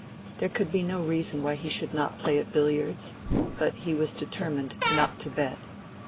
There could be no reason why he should not play at billiards, but he was determined not to bet.